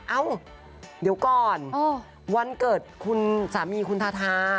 เอ้าเดี๋ยวก่อนวันเกิดคุณสามีคุณทาทา